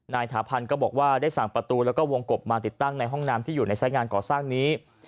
ถาพันธ์ก็บอกว่าได้สั่งประตูแล้วก็วงกบมาติดตั้งในห้องน้ำที่อยู่ในสายงานก่อสร้างนี้